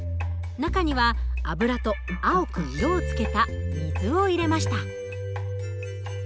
中には油と青く色をつけた水を入れました。